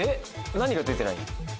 何が出てない？